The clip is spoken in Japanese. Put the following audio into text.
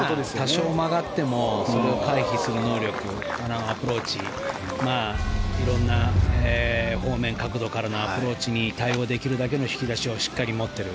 多少曲がってもそれを回避する能力アプローチ、色んな方面角度からのアプローチに対応できるだけの引き出しをしっかり持っている。